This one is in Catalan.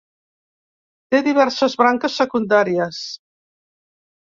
Té diverses branques secundàries.